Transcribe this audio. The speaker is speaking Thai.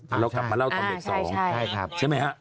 เรากลับมาเล่าตอนเบรก๒ใช่ไหมฮะ